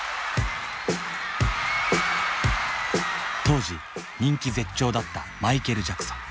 当時人気絶頂だったマイケル・ジャクソン。